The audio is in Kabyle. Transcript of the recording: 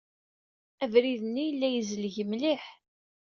Abrid-nni yella yezleg mliḥ.